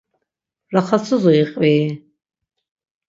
Raxatsuzi iqvii?